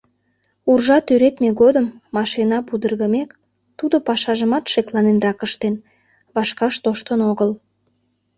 Уржа тӱредме годым машина пудыргымек, тудо пашажымат шекланенрак ыштен, вашкаш тоштын огыл.